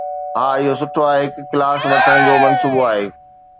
ها، اهو سٺو آهي. هڪ ڪلاس وٺڻ جو منصوبو آهي؟